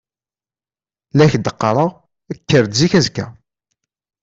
La ak-d-qqareɣ, kker-d zik azekka.